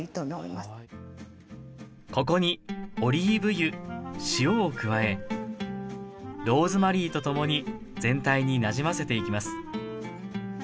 ここにオリーブ油塩を加えローズマリーと共に全体になじませていきます